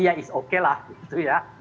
ya is okay lah gitu ya